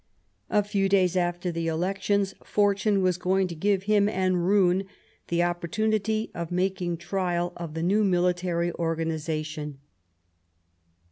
A few days after the elections fortune was going to give him and Roon the opportunity of making trial of the new military organization.